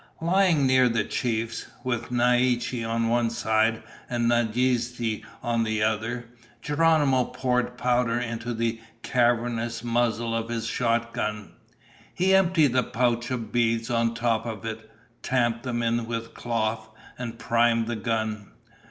Lying near the chiefs, with Naiche on one side and Nadeze on the other, Geronimo poured powder into the cavernous muzzle of his shotgun. He emptied the pouch of beads on top of it, tamped them in with cloth, and primed the gun.